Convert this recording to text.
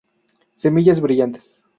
Semillas brillantes.